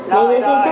cảm ơn mẹ nhiều